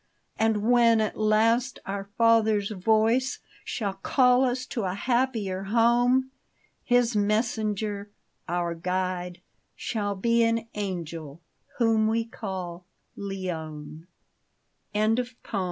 And when at last our Father's voice Shall call us to a happier home, His messenger — our guide — shall be An angel whom we call — Leone 1 50 JUNE.